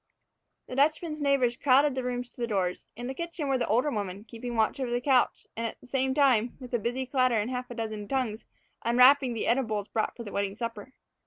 The Dutchman's neighbors crowded the rooms to the doors. In the kitchen were the older women, keeping watch over the couch and, at the same time, with busy clatter in a half dozen tongues, unwrapping the edibles brought for the wedding supper.